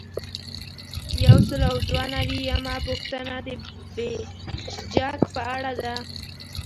یو سل او دوه نوي یمه پوښتنه د بیجک په اړه ده.